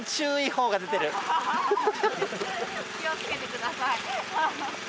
気をつけてください。